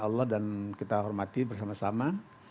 allah dan kita hormati bersama sama